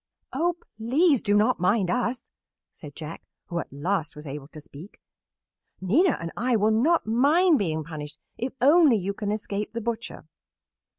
"Oh, please do not mind us," said Jack, who at last was able to speak. "Nina and I will not mind being punished if only you can escape the butcher."